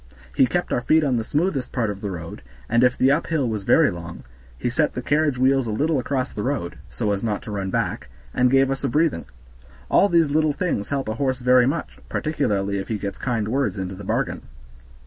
He kept our feet on the smoothest part of the road, and if the uphill was very long, he set the carriage wheels a little across the road, so as not to run back, and gave us a breathing. All these little things help a horse very much, particularly if he gets kind words into the bargain.